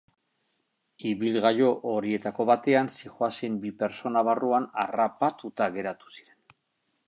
Ibilgailu horietako batean zihoazen bi pertsona barruan harrapatuta geratu ziren.